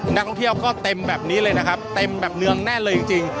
นักท่องเที่ยวก็เต็มแบบนี้เลยนะครับเต็มแบบเนืองแน่นเลยจริง